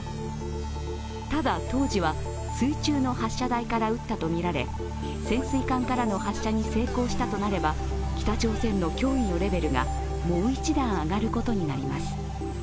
ただ、当時は水中の発射台から撃ったとみられ、潜水艦からの発射に成功したとなれば北朝鮮の脅威のレベルがもう一段上がることになります。